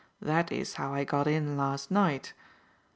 That is how I got in last night.